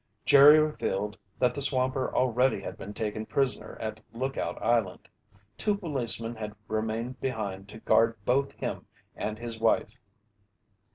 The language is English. Jerry revealed that the swamper already had been taken prisoner at Lookout Island. Two policemen had remained behind to guard both him and his wife.